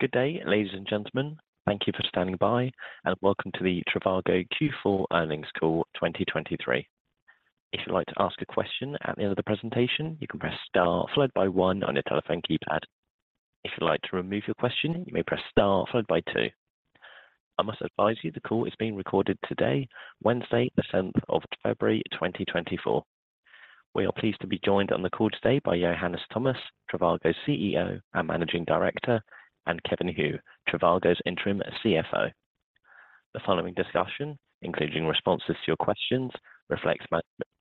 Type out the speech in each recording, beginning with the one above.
Good day, ladies and gentlemen. Thank you for standing by, and welcome to the trivago Q4 Earnings Call 2023. If you'd like to ask a question at the end of the presentation, you can press Star followed by one on your telephone keypad. If you'd like to remove your question, you may press Star followed by two. I must advise you, the call is being recorded today, Wednesday, the 7th of February, 2024. We are pleased to be joined on the call today by Johannes Thomas, trivago's CEO and Managing Director, and Kevin He, trivago's Interim CFO. The following discussion, including responses to your questions, reflects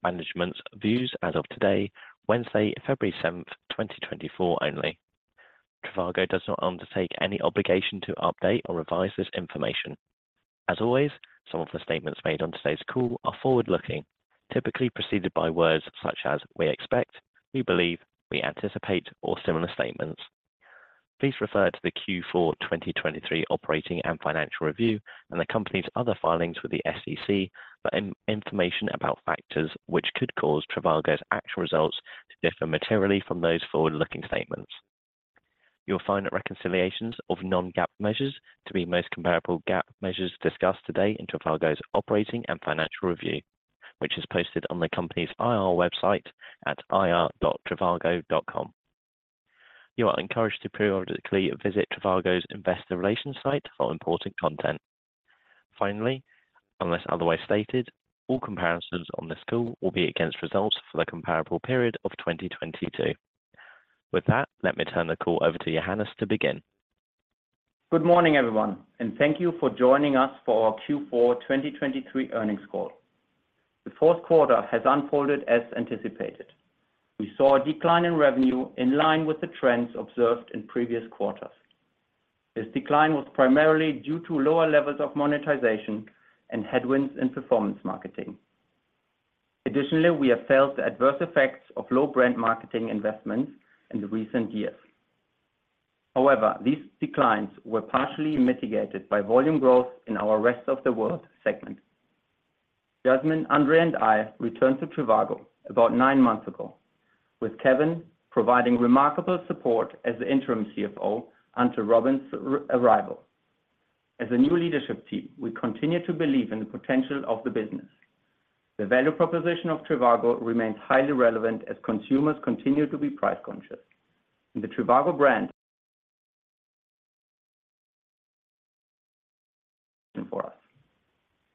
management's views as of today, Wednesday, February 7, 2024 only. trivago does not undertake any obligation to update or revise this information. As always, some of the statements made on today's call are forward-looking, typically preceded by words such as "we expect," "we believe," "we anticipate," or similar statements. Please refer to the Q4 2023 Operating and Financial Review, and the company's other filings with the SEC for information about factors which could cause trivago's actual results to differ materially from those forward-looking statements. You'll find that reconciliations of non-GAAP measures to be most comparable GAAP measures discussed today in trivago's Operating and Financial Review, which is posted on the company's IR website at ir.trivago.com. You are encouraged to periodically visit trivago's investor relations site for important content. Finally, unless otherwise stated, all comparisons on this call will be against results for the comparable period of 2022. With that, let me turn the call over to Johannes to begin. Good morning, everyone, and thank you for joining us for our Q4 2023 earnings call. The fourth quarter has unfolded as anticipated. We saw a decline in revenue in line with the trends observed in previous quarters. This decline was primarily due to lower levels of monetization and headwinds in performance marketing. Additionally, we have felt the adverse effects of low brand marketing investments in the recent years. However, these declines were partially mitigated by volume growth in our Rest of World segment. Jasmin, Andrej, and I returned to trivago about nine months ago, with Kevin providing remarkable support as the interim CFO until Robin's arrival. As a new leadership team, we continue to believe in the potential of the business. The value proposition of trivago remains highly relevant as consumers continue to be price conscious, and the trivago brand for us.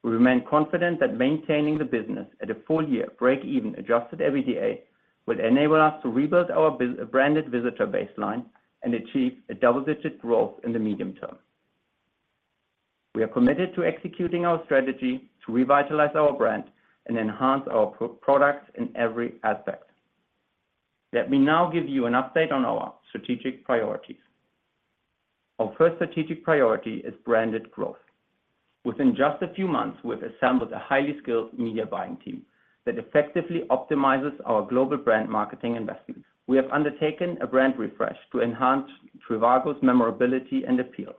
We remain confident that maintaining the business at a full-year break-even Adjusted EBITDA will enable us to rebuild our branded visitor baseline and achieve a double-digit growth in the medium term. We are committed to executing our strategy to revitalize our brand and enhance our products in every aspect. Let me now give you an update on our strategic priorities. Our first strategic priority is branded growth. Within just a few months, we've assembled a highly skilled media buying team that effectively optimizes our global brand marketing investments. We have undertaken a brand refresh to enhance trivago's memorability and appeal.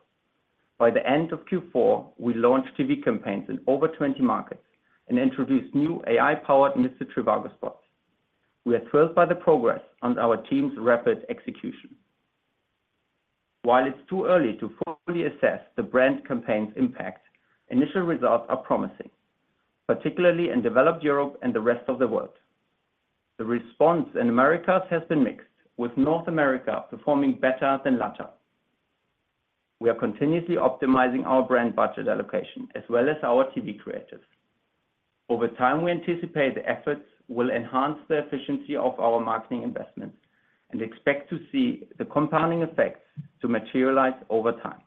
By the end of Q4, we launched TV campaigns in over 20 markets and introduced new AI-powered Mr. Trivago spots. We are thrilled by the progress on our team's rapid execution. While it's too early to fully assess the brand campaign's impact, initial results are promising, particularly in Developed Europe and the Rest of World. The response in Americas has been mixed, with North America performing better than LATAM. We are continuously optimizing our brand budget allocation as well as our TV creatives. Over time, we anticipate the efforts will enhance the efficiency of our marketing investments and expect to see the compounding effects to materialize over time.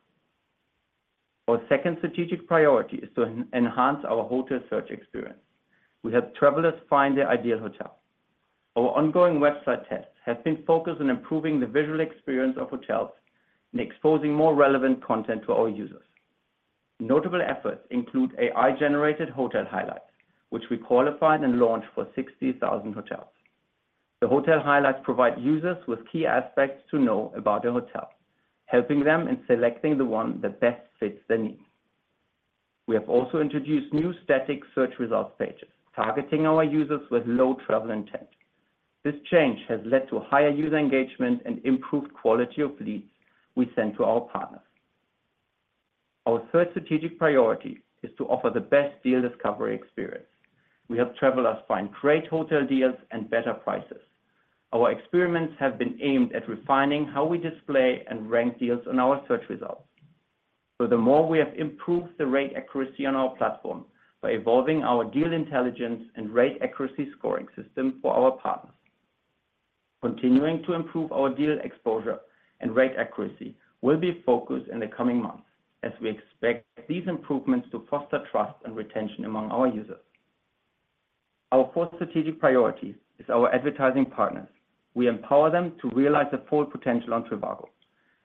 Our second strategic priority is to enhance our hotel search experience. We help travelers find their ideal hotel. Our ongoing website tests have been focused on improving the visual experience of hotels and exposing more relevant content to our users. Notable efforts include AI-generated hotel highlights, which we qualified and launched for 60,000 hotels. The hotel highlights provide users with key aspects to know about a hotel, helping them in selecting the one that best fits their needs. We have also introduced new static search results pages, targeting our users with low travel intent. This change has led to higher user engagement and improved quality of leads we send to our partners. Our third strategic priority is to offer the best deal discovery experience. We help travelers find great hotel deals and better prices. Our experiments have been aimed at refining how we display and rank deals on our search results. Furthermore, we have improved the rate accuracy on our platform by evolving our deal intelligence and rate accuracy scoring system for our partners. Continuing to improve our deal exposure and rate accuracy will be focused in the coming months, as we expect these improvements to foster trust and retention among our users. Our fourth strategic priority is our advertising partners. We empower them to realize the full potential on trivago.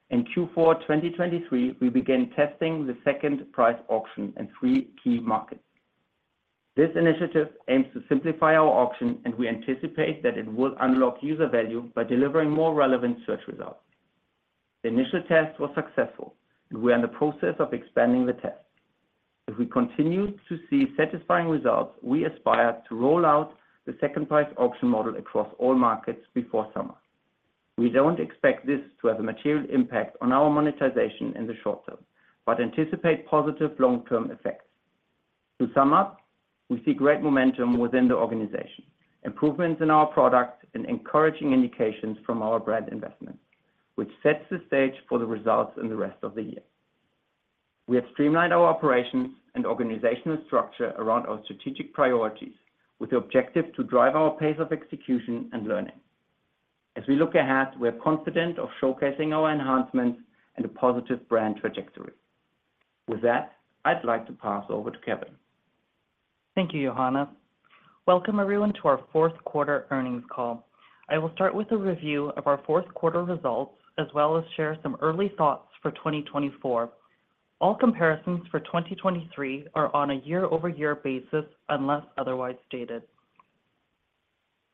In Q4 2023, we began testing the Second Price Auction in 3 key markets. This initiative aims to simplify our auction, and we anticipate that it will unlock user value by delivering more relevant search results. The initial test was successful, and we are in the process of expanding the test. If we continue to see satisfying results, we aspire to roll out the Second Price Auction model across all markets before summer. We don't expect this to have a material impact on our monetization in the short term, but anticipate positive long-term effects. To sum up, we see great momentum within the organization, improvements in our products, and encouraging indications from our brand investment, which sets the stage for the results in the rest of the year. We have streamlined our operations and organizational structure around our strategic priorities, with the objective to drive our pace of execution and learning. As we look ahead, we are confident of showcasing our enhancements and a positive brand trajectory. With that, I'd like to pass over to Kevin. Thank you, Johannes. Welcome, everyone, to our fourth quarter earnings call. I will start with a review of our fourth quarter results, as well as share some early thoughts for 2024. All comparisons for 2023 are on a year-over-year basis, unless otherwise stated.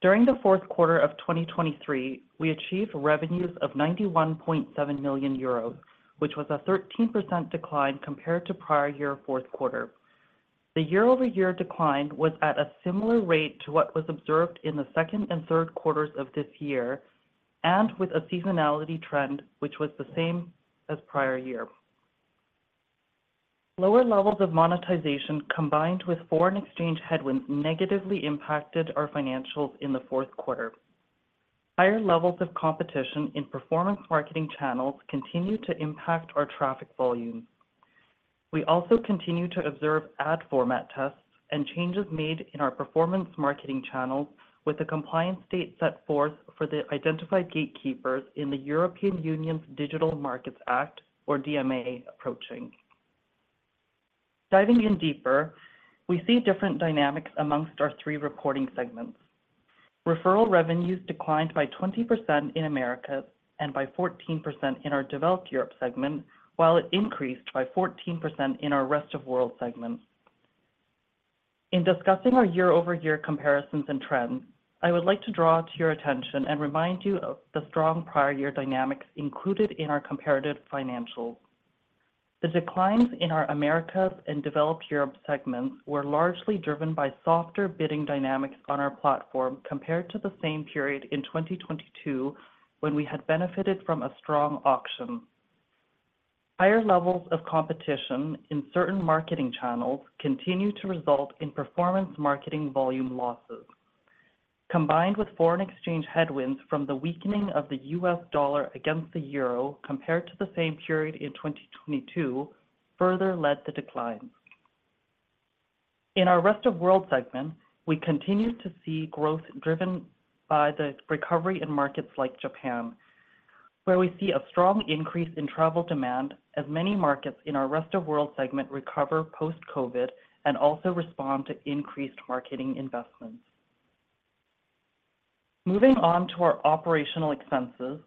During the fourth quarter of 2023, we achieved revenues of 91.7 million euros, which was a 13% decline compared to prior year fourth quarter. The year-over-year decline was at a similar rate to what was observed in the second and third quarters of this year, and with a seasonality trend, which was the same as prior year. Lower levels of monetization, combined with foreign exchange headwinds, negatively impacted our financials in the fourth quarter. Higher levels of competition in performance marketing channels continued to impact our traffic volume. We also continued to observe ad format tests and changes made in our performance marketing channels with the compliance date set forth for the identified gatekeepers in the European Union's Digital Markets Act, or DMA, approaching. Diving in deeper, we see different dynamics among our three reporting segments. Referral revenues declined by 20% in Americas and by 14% in our Developed Europe segment, while it increased by 14% in our Rest of World segment. In discussing our year-over-year comparisons and trends, I would like to draw to your attention and remind you of the strong prior year dynamics included in our comparative financials. The declines in our Americas and Developed Europe segments were largely driven by softer bidding dynamics on our platform compared to the same period in 2022, when we had benefited from a strong auction. Higher levels of competition in certain marketing channels continued to result in performance marketing volume losses. Combined with foreign exchange headwinds from the weakening of the U.S. dollar against the euro, compared to the same period in 2022, further led to declines. In our Rest of World segment, we continued to see growth driven by the recovery in markets like Japan, where we see a strong increase in travel demand as many markets in our Rest of World segment recover post-COVID and also respond to increased marketing investments. Moving on to our operational expenses,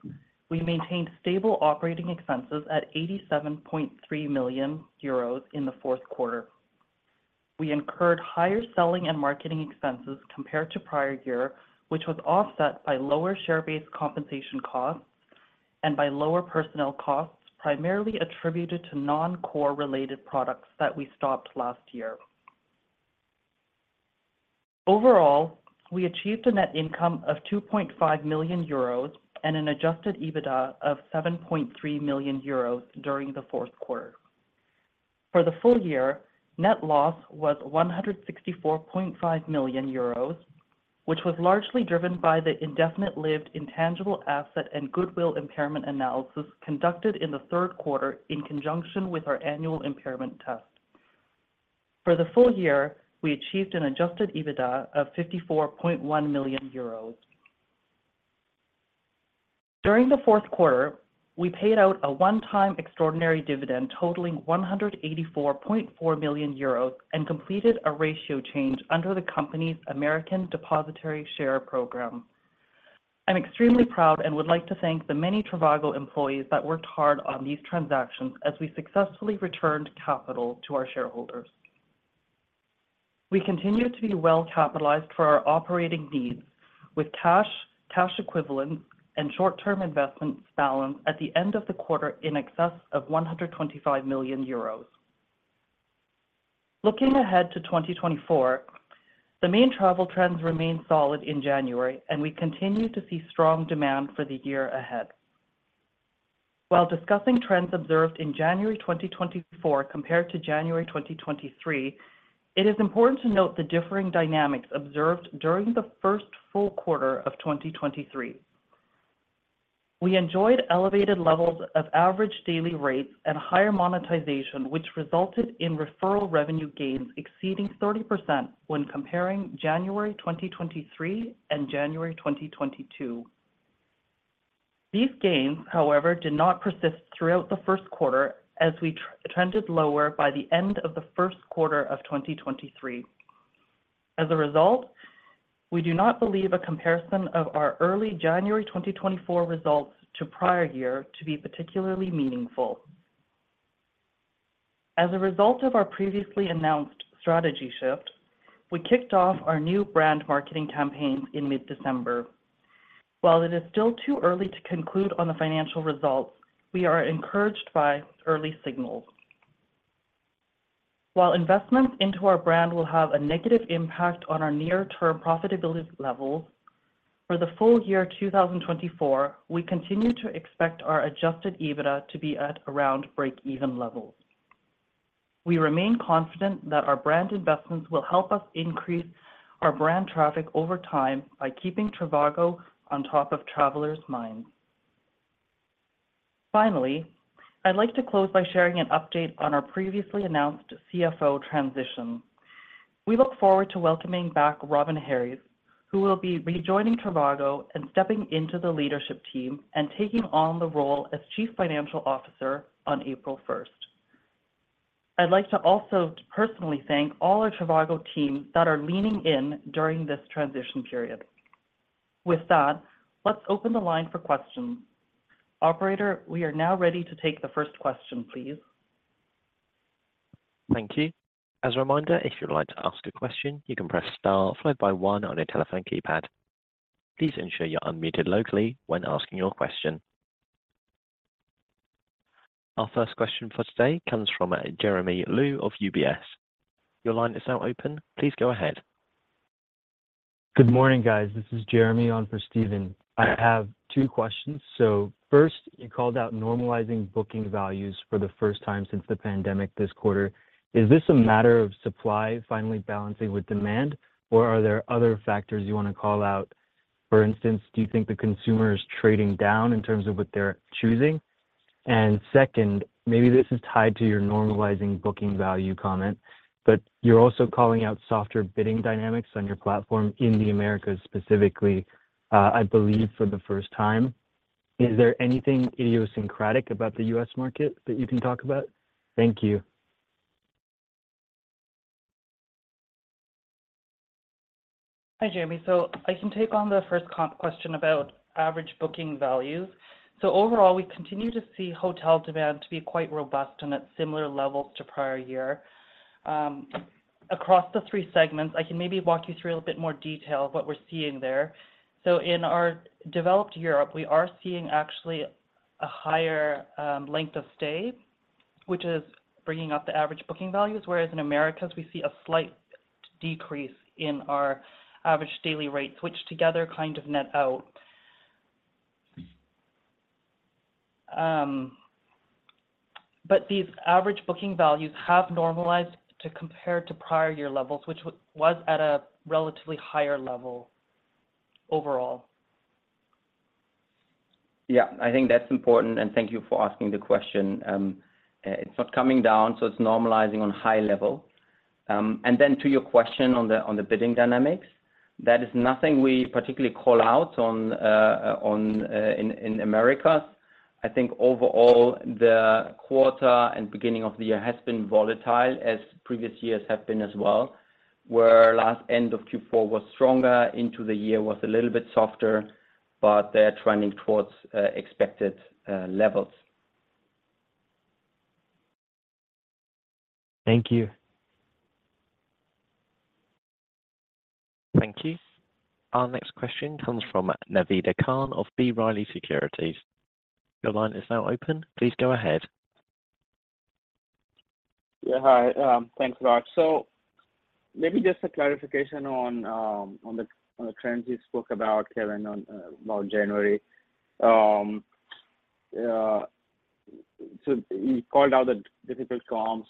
we maintained stable operating expenses at 87.3 million euros in the fourth quarter. We incurred higher selling and marketing expenses compared to prior year, which was offset by lower share-based compensation costs and by lower personnel costs, primarily attributed to non-core related products that we stopped last year. Overall, we achieved a net income of 2.5 million euros and an Adjusted EBITDA of 7.3 million euros during the fourth quarter. For the full year, net loss was 164.5 million euros, which was largely driven by the indefinite-lived intangible asset and goodwill impairment analysis conducted in the third quarter in conjunction with our annual impairment test. For the full year, we achieved an Adjusted EBITDA of 54.1 million euros. During the fourth quarter, we paid out a one-time extraordinary dividend totaling 184.4 million euros and completed a ratio change under the company's American Depositary Share program. I'm extremely proud and would like to thank the many trivago employees that worked hard on these transactions as we successfully returned capital to our shareholders. We continue to be well-capitalized for our operating needs, with cash, cash equivalents, and short-term investments balance at the end of the quarter in excess of 125 million euros. Looking ahead to 2024, the main travel trends remained solid in January, and we continue to see strong demand for the year ahead. While discussing trends observed in January 2024 compared to January 2023, it is important to note the differing dynamics observed during the first full quarter of 2023. We enjoyed elevated levels of average daily rates and higher monetization, which resulted in referral revenue gains exceeding 30% when comparing January 2023 and January 2022. These gains, however, did not persist throughout the first quarter as we trended lower by the end of the first quarter of 2023. As a result, we do not believe a comparison of our early January 2024 results to prior year to be particularly meaningful. As a result of our previously announced strategy shift, we kicked off our new brand marketing campaign in mid-December. While it is still too early to conclude on the financial results, we are encouraged by early signals. While investments into our brand will have a negative impact on our near-term profitability levels, for the full year 2024, we continue to expect our Adjusted EBITDA to be at around breakeven levels. We remain confident that our brand investments will help us increase our brand traffic over time by keeping trivago on top of travelers' minds. Finally, I'd like to close by sharing an update on our previously announced CFO transition. We look forward to welcoming back Robin Harries, who will be rejoining trivago and stepping into the leadership team and taking on the role as Chief Financial Officer on April first. I'd like to also personally thank all our trivago team that are leaning in during this transition period. With that, let's open the line for questions. Operator, we are now ready to take the first question, please. Thank you. As a reminder, if you'd like to ask a question, you can press Star followed by 1 on your telephone keypad. Please ensure you're unmuted locally when asking your question. Our first question for today comes from Jeremy Zhu of UBS. Your line is now open. Please go ahead. Good morning, guys. This is Jeremy on for Stephen. I have two questions. So first, you called out normalizing booking values for the first time since the pandemic this quarter. Is this a matter of supply finally balancing with demand, or are there other factors you want to call out? For instance, do you think the consumer is trading down in terms of what they're choosing? And second, maybe this is tied to your normalizing booking value comment, but you're also calling out softer bidding dynamics on your platform in the Americas, specifically, I believe, for the first time. Is there anything idiosyncratic about the U.S. market that you can talk about? Thank you. Hi, Jeremy. So I can take on the first comp question about average booking values. So overall, we continue to see hotel demand to be quite robust and at similar levels to prior year. Across the three segments, I can maybe walk you through a little bit more detail of what we're seeing there. So in our Developed Europe, we are seeing actually a higher length of stay, which is bringing up the average booking values, whereas in Americas, we see a slight decrease in our average daily rates, which together kind of net out. But these average booking values have normalized to compare to prior year levels, which was at a relatively higher level overall. Yeah, I think that's important, and thank you for asking the question. It's not coming down, so it's normalizing on high level. And then to your question on the bidding dynamics, that is nothing we particularly call out on in America. I think overall, the quarter and beginning of the year has been volatile, as previous years have been as well, where last end of Q4 was stronger, into the year was a little bit softer, but they're trending towards expected levels. Thank you. Thank you. Our next question comes from Naved Khan of B. Riley Securities. Your line is now open. Please go ahead. Yeah, hi. Thanks a lot. So maybe just a clarification on the trends you spoke about, Kevin, about January. So you called out the difficult comps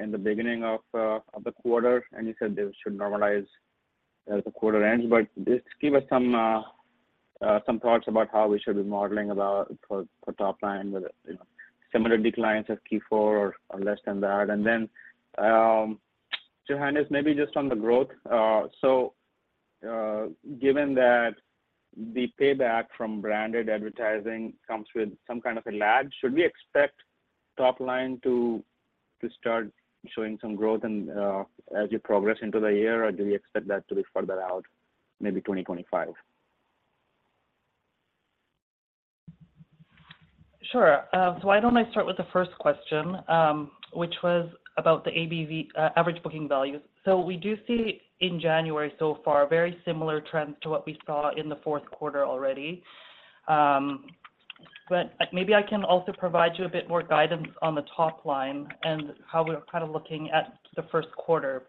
in the beginning of the quarter, and you said they should normalize as the quarter ends. But just give us some thoughts about how we should be modeling for top line, whether, you know, similar declines as Q4 or less than that. And then, Johannes, maybe just on the growth. So given that the payback from branded advertising comes with some kind of a lag, should we expect top line to start showing some growth and as you progress into the year, or do you expect that to be further out, maybe 2025? Sure. So why don't I start with the first question, which was about the ABV, average booking values? So we do see in January so far, very similar trends to what we saw in the fourth quarter already. But maybe I can also provide you a bit more guidance on the top line and how we're kind of looking at the first quarter.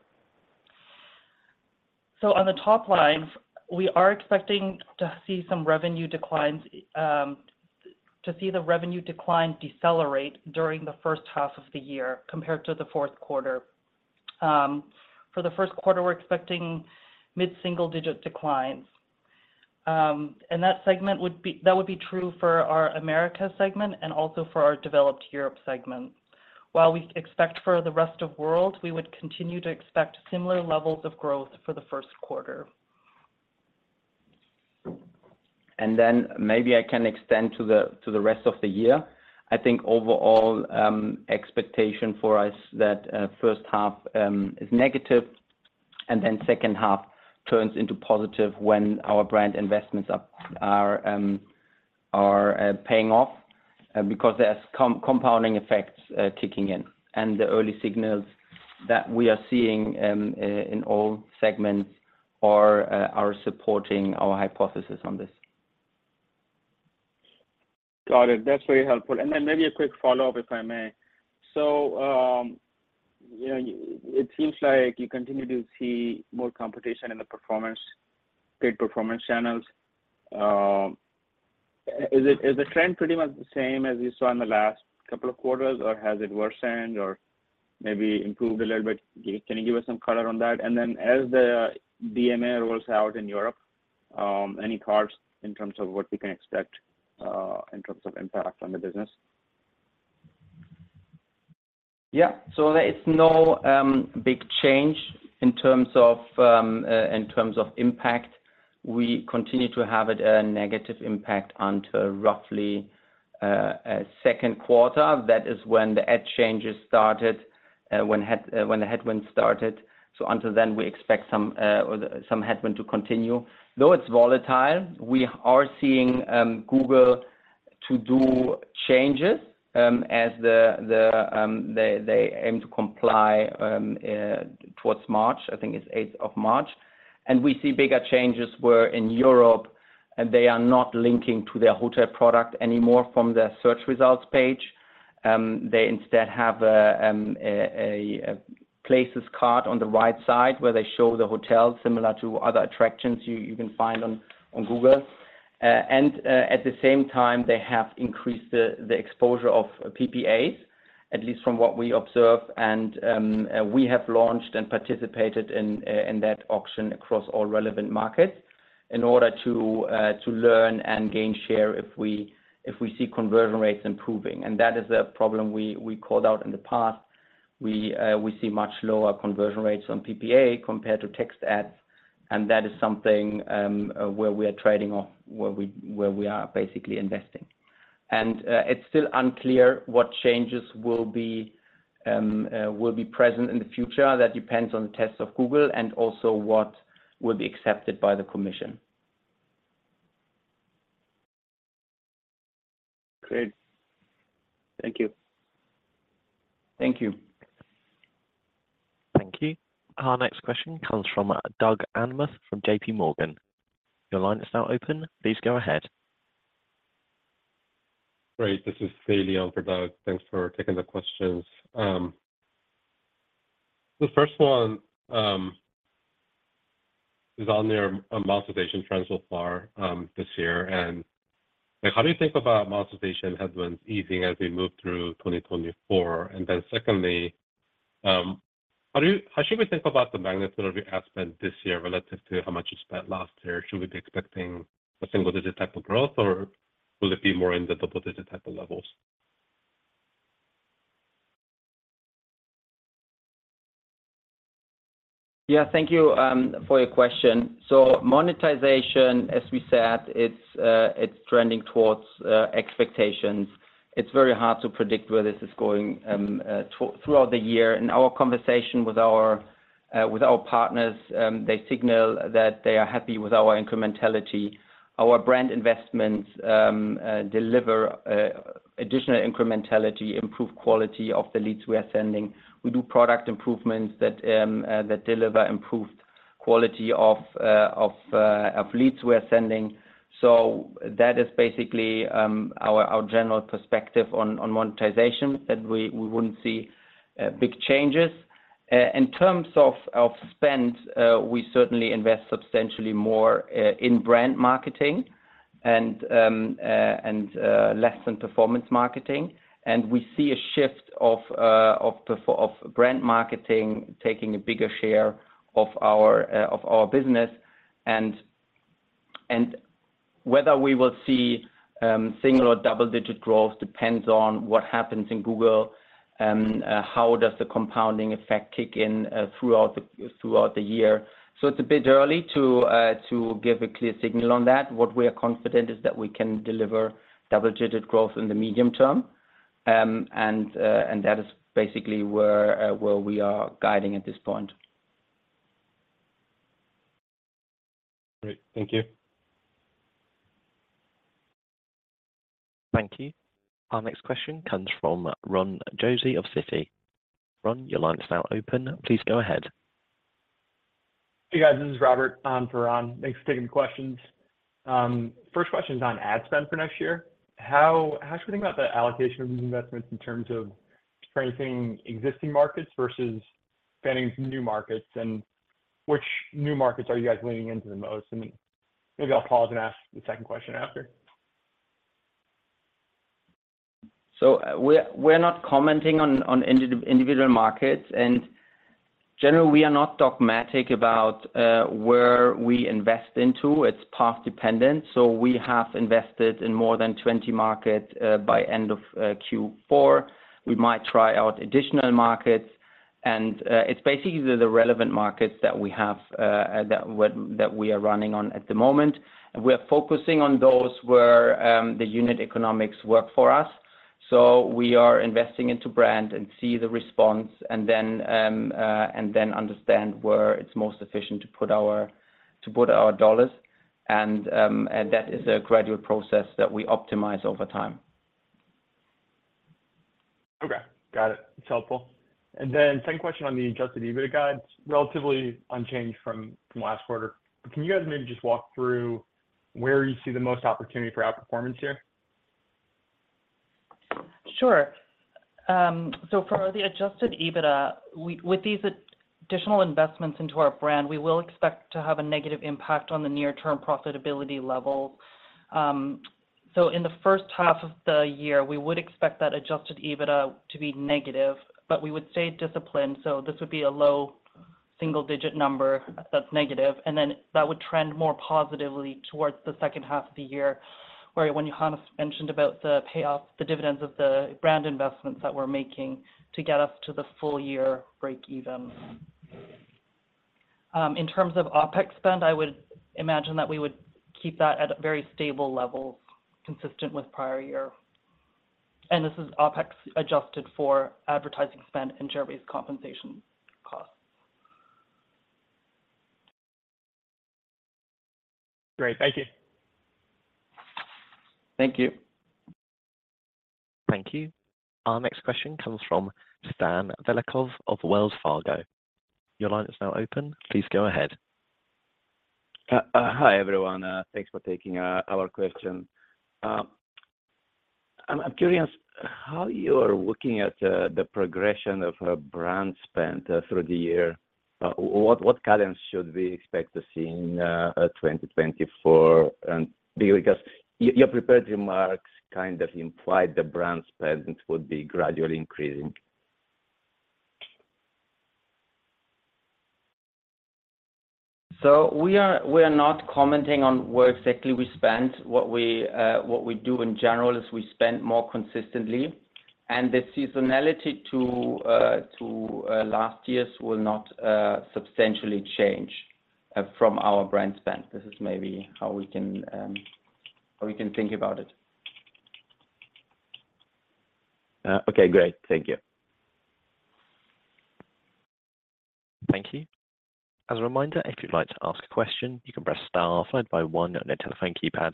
So on the top line, we are expecting to see some revenue declines, to see the revenue decline decelerate during the first half of the year compared to the fourth quarter. For the first quarter, we're expecting mid-single-digit declines. And that would be true for our Americas segment and also for our Developed Europe segment. While we expect for the Rest of World, we would continue to expect similar levels of growth for the first quarter. And then maybe I can extend to the rest of the year. I think overall, expectation for us that first half is negative, and then second half turns into positive when our brand investments are paying off, because there's compounding effects kicking in, and the early signals that we are seeing in all segments are supporting our hypothesis on this. Got it. That's very helpful. And then maybe a quick follow-up, if I may. So, you know, it seems like you continue to see more competition in the performance, paid performance channels. Is the trend pretty much the same as you saw in the last couple of quarters, or has it worsened or maybe improved a little bit? Can you give us some color on that? And then as the DMA rolls out in Europe, any cards in terms of what we can expect, in terms of impact on the business? Yeah. So there is no big change in terms of impact. We continue to have a negative impact until roughly second quarter. That is when the ad changes started, when the headwinds started. So until then, we expect some headwind to continue. Though it's volatile, we are seeing Google to do changes, as they aim to comply towards March, I think it's eighth of March. And we see bigger changes where in Europe, they are not linking to their hotel product anymore from their search results page. They instead have a Places card on the right side, where they show the hotel, similar to other attractions you can find on Google. And at the same time, they have increased the exposure of PPAs, at least from what we observe, and we have launched and participated in that auction across all relevant markets in order to learn and gain share if we see conversion rates improving. And that is a problem we called out in the past. We see much lower conversion rates on PPA compared to text ads, and that is something where we are trading off, where we are basically investing. And it's still unclear what changes will be present in the future. That depends on the test of Google and also what will be accepted by the commission. Great. Thank you. Thank you. Thank you. Our next question comes from Doug Anmuth, from JPMorgan. Your line is now open, please go ahead. Great, this is Lee on for Doug. Thanks for taking the questions. The first one is on their monetization trends so far this year. And how do you think about monetization headwinds easing as we move through 2024? And then secondly, how should we think about the magnitude of your ad spend this year relative to how much you spent last year? Should we be expecting a single-digit type of growth, or will it be more in the double-digit type of levels? Yeah, thank you for your question. So monetization, as we said, it's trending towards expectations. It's very hard to predict where this is going throughout the year. In our conversation with our partners, they signal that they are happy with our incrementality. Our brand investments deliver additional incrementality, improve quality of the leads we are sending. We do product improvements that deliver improved quality of leads we are sending. So that is basically our general perspective on monetization, that we wouldn't see big changes. In terms of spend, we certainly invest substantially more in brand marketing and less than performance marketing. And we see a shift of performance of brand marketing taking a bigger share of our business. And whether we will see single-digit or double-digit growth depends on what happens in Google, how the compounding effect kicks in throughout the year. So it's a bit early to give a clear signal on that. What we are confident is that we can deliver double-digit growth in the medium term. And that is basically where we are guiding at this point. Great. Thank you. Thank you. Our next question comes from Ron Josey of Citi. Ron, your line is now open. Please go ahead. Hey, guys. This is Robert for Ron. Thanks for taking the questions. First question is on ad spend for next year. How should we think about the allocation of these investments in terms of strengthening existing markets versus spending in some new markets? And which new markets are you guys leaning into the most? And maybe I'll pause and ask the second question after. So we're not commenting on individual markets, and generally, we are not dogmatic about where we invest into. It's path dependent, so we have invested in more than 20 markets by end of Q4. We might try out additional markets, and it's basically the relevant markets that we have that we are running on at the moment. We are focusing on those where the unit economics work for us. So we are investing into brand and see the response, and then understand where it's most efficient to put our dollars. And that is a gradual process that we optimize over time. Okay, got it. It's helpful. And then second question on the Adjusted EBITDA guides, relatively unchanged from last quarter. Can you guys maybe just walk through where you see the most opportunity for outperformance here? Sure. So for the Adjusted EBITDA, with these additional investments into our brand, we will expect to have a negative impact on the near-term profitability level. So in the first half of the year, we would expect that Adjusted EBITDA to be negative, but we would stay disciplined, so this would be a low single-digit number that's negative, and then that would trend more positively towards the second half of the year, where when Johannes mentioned about the payoff, the dividends of the brand investments that we're making to get us to the full year breakeven. In terms of OpEx spend, I would imagine that we would keep that at a very stable level, consistent with prior year. This is OpEx adjusted for advertising spend and share-based compensation costs. Great. Thank you. Thank you. Thank you. Our next question comes from Stan Velikov of Wells Fargo. Your line is now open. Please go ahead. Hi, everyone, thanks for taking our question. I'm curious how you are looking at the progression of a brand spend through the year. What guidance should we expect to see in 2024? And because your prepared remarks kind of implied the brand spend would be gradually increasing. We are not commenting on where exactly we spend. What we do in general is we spend more consistently, and the seasonality to last year's will not substantially change from our brand spend. This is maybe how we can think about it. Okay, great. Thank you. Thank you. As a reminder, if you'd like to ask a question, you can press Star followed by One on your telephone keypad.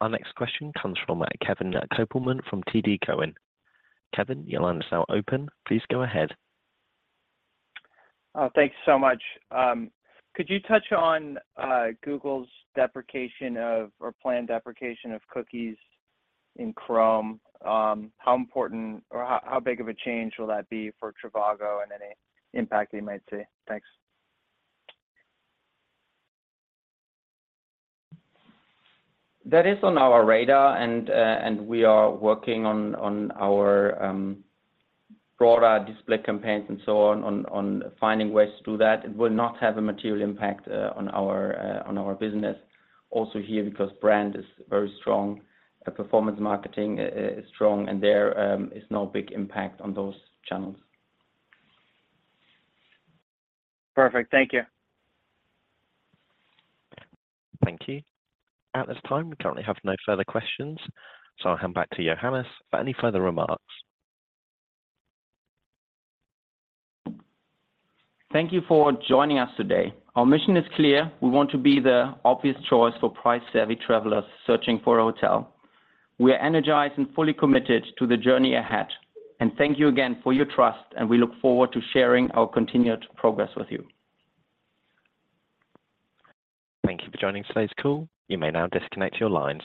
Our next question comes from Kevin Kopelman from TD Cowen. Kevin, your line is now open. Please go ahead. Thank you so much. Could you touch on Google's deprecation of, or planned deprecation of cookies in Chrome? How important or how big of a change will that be for trivago and any impact you might see? Thanks. That is on our radar, and we are working on our broader display campaigns and so on, finding ways to do that. It will not have a material impact on our business. Also here, because brand is very strong, performance marketing is strong, and there is no big impact on those channels. Perfect. Thank you. Thank you. At this time, we currently have no further questions, so I'll hand back to Johannes for any further remarks. Thank you for joining us today. Our mission is clear: We want to be the obvious choice for price-savvy travelers searching for a hotel. We are energized and fully committed to the journey ahead. Thank you again for your trust, and we look forward to sharing our continued progress with you. Thank you for joining today's call. You may now disconnect your lines.